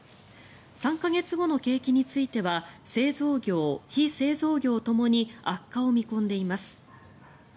３か月後の景気については製造業、非製造業ともに悪化を見込んでいます。